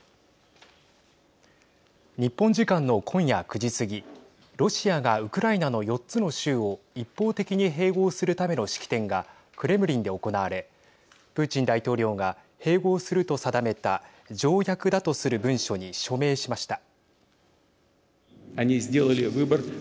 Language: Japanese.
日本時間の今夜９時過ぎロシアがウクライナの４つの州を一方的に併合するための式典がクレムリンで行われプーチン大統領が併合すると定めた条約だとする文書に署名しました。